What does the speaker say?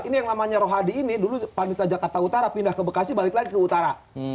ini yang namanya rohadi ini dulu panitia jakarta utara pindah ke bekasi balik lagi ke utara